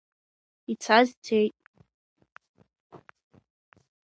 Ицаз цеит.